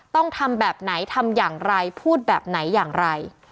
ต้องทำแบบไหนทำอย่างไรพูดแบบไหนอย่างไร